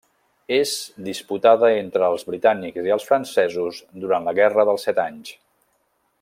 És disputada entre els britànics i els francesos durant la Guerra dels Set Anys.